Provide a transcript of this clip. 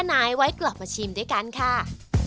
แค่น้ายไว้กลับมาชิมด้วยกันค่ะ